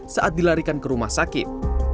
saat dilarikan ke rumah sakit